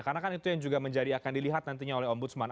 karena kan itu yang juga menjadi akan dilihat nantinya oleh ombudsman